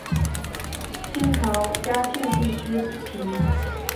清朝嘉庆帝之嫔。